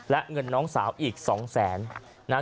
และเงินน้องสาวอีก๒๐๐๐๐๐บาท